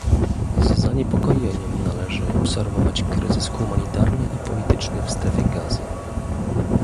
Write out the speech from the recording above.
Z zaniepokojeniem należy obserwować kryzys humanitarny i polityczny w Strefie Gazy